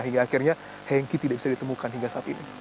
hingga akhirnya hengki tidak bisa ditemukan hingga saat ini